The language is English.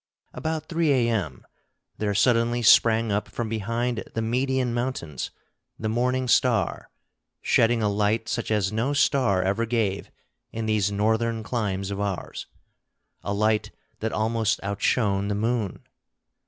About 3 A.M. there suddenly sprang up from behind the Median mountains the morning star, shedding a light such as no star ever gave in these northern climes of ours, a light that almost outshone the moon.